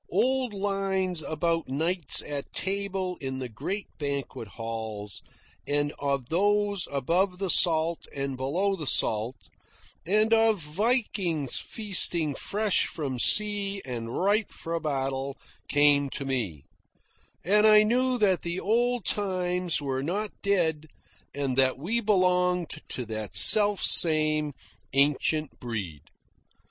Old lines about knights at table in the great banquet halls, and of those above the salt and below the salt, and of Vikings feasting fresh from sea and ripe for battle, came to me; and I knew that the old times were not dead and that we belonged to that selfsame ancient breed.